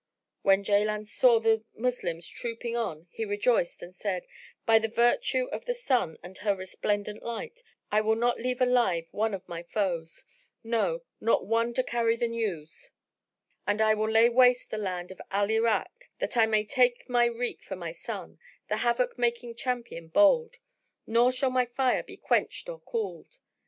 When Jaland saw the Moslems trooping on he rejoiced and said, "By the virtue of the Sun, and her resplendent light, I will not leave alive one of my foes; no, not one to carry the news, and I will lay waste the land of Al Irak, that I may take my wreak for my son, the havoc making champion bold; nor shall my fire be quenched or cooled!"